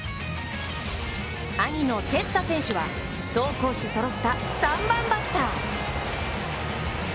兄の哲太選手は走攻守そろった３番バッター。